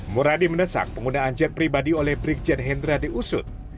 muradi menesak penggunaan jet pribadi oleh brigjen hendra diusut